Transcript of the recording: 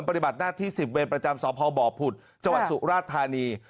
ปฏิบัติหน้าที่๑๐เวลประจำสพพุทธจสุราชธานี